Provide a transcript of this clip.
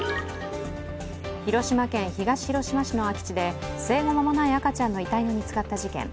広島県東広島市の空き地で生後間もない赤ちゃんの遺体が見つかった事件。